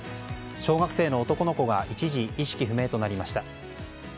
小学生の男の子が一時意識不明となりました。